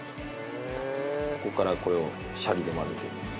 ここからこれをしゃりで混ぜていく。